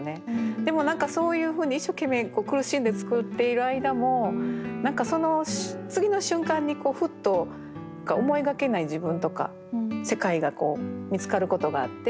でも何かそういうふうに一生懸命苦しんで作っている間も何か次の瞬間にふっと思いがけない自分とか世界が見つかることがあって。